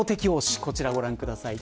こちらご覧ください。